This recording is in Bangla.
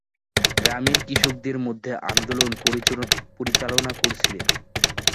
গ্রামের কৃষকদের মধ্যে আন্দোলন পরিচালনা করেছিলেন।